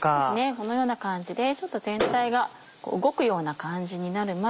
このような感じでちょっと全体が動くような感じになるまで。